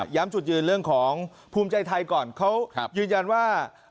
จุดยืนเรื่องของภูมิใจไทยก่อนเขายืนยันว่า